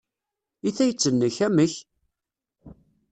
I tayet-nnek, amek?